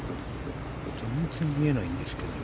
全然見えないんですけど。